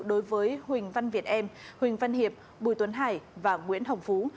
đối với huỳnh văn việt em huỳnh văn hiệp bùi tuấn hải và nguyễn hồng phú